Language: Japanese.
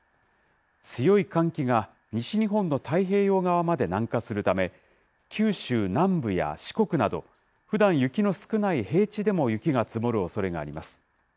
強い寒気が西日本の太平洋側まで南下するため、九州南部や四国など、ふだん雪の少ない平地でも雪が積もるおそれがあります。